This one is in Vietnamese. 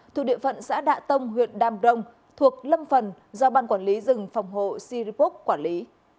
thuộc địa phận xã đạ tông huyện đam rồng thuộc lâm phần do ban quản lý rừng phòng hộ siripoc quản lý